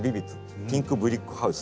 「ピンクブリックハウス」。